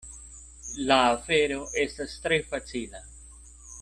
La afero estas tre facila.